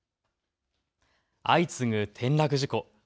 相次ぐ転落事故。